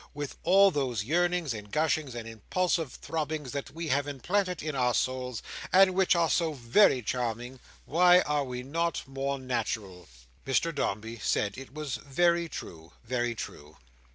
With all those yearnings, and gushings, and impulsive throbbings that we have implanted in our souls, and which are so very charming, why are we not more natural?" Mr Dombey said it was very true, very true.